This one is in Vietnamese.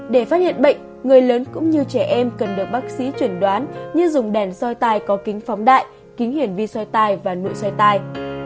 để phát hiện bệnh người lớn cũng như trẻ em cần được bác sĩ chuyển đoán như dùng đèn xoay tay có kính phóng đại kính hiển vi xoay tay và nụ xoay tay